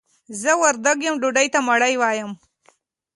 زه وردګ يم ډوډۍ ته مړۍ وايم.